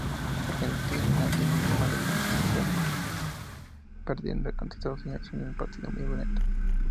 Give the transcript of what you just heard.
Argentina inició mal la competición perdiendo contra Estados Unidos en un partido muy violento.